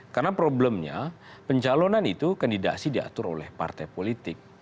karena problemnya pencalonan itu kandidasi diatur oleh partai politik